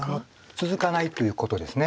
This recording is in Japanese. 続かないということです。